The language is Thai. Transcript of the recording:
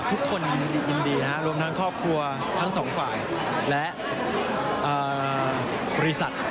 ทุกคนยินดียินดีรวมทั้งครอบครัวทั้งสองฝ่ายและบริษัท